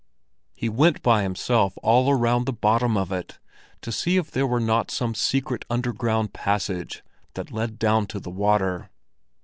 He went by himself all round the bottom of it to see if there were not a secret underground passage that led down to the water.